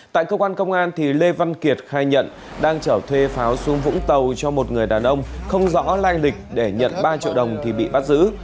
tại cơ quan công an lê văn kiệt khai nhận đang trở thuê pháo xuống vũng tàu cho một người đàn ông không rõ lai lịch để nhận ba triệu đồng thì bị bắt giữ